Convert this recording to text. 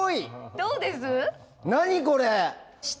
どうです？